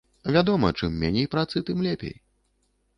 Вядома, чым меней працы, тым лепей.